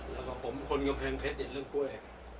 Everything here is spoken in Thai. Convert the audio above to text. แล้วผมคนกำแพงเพชรอย่างเรื่องกล้วย